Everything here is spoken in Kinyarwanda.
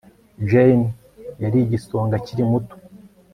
Jane yari igisonga akiri muto